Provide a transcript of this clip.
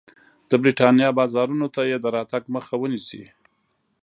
د برېټانیا بازارونو ته یې د راتګ مخه ونیسي.